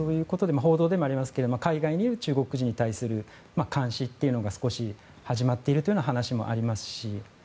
報道でもありましたが海外にいる中国人に対する監視というのが少し始まっているという話もありますし。